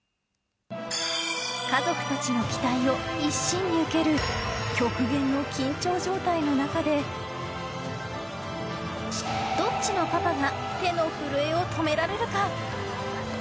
家族たちの期待を一身に受ける極限の緊張状態の中でどっちのパパが手の震えを止められるか？